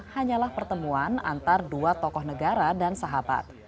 hanyalah pertemuan antara dua tokoh negara dan sahabat